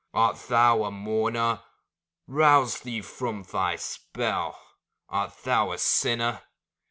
Art thou a mourner? Rouse thee from thy spell ; Art thou a sinner?